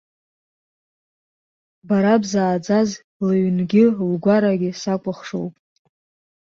Бара бзааӡаз лҩнгьы-лгәарагьы сакәыхшоуп!